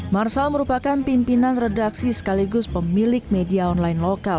marsal merupakan pimpinan redaksi sekaligus pemilik media online lokal